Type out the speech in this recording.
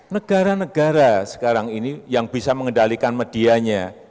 negara negara sekarang ini yang bisa mengendalikan medianya